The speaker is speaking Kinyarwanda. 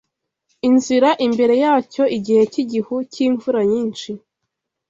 inzira imbere yacyo igihe cy'igihu cy'imvura nyinshi